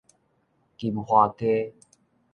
金華街